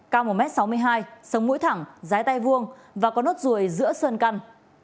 cao một m sáu mươi hai sông mũi thẳng giái tay vuông và có nốt ruồi giữa sơn căn